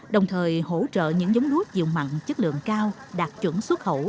đồng thời hỗ trợ những giống lúa dịu mặn chất lượng cao đạt chuẩn xuất khẩu